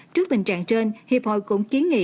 trước tình trạng trên hiệp hội cũng kiến nghị